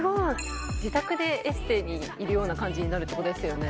自宅でエステにいるような感じになるってことですよね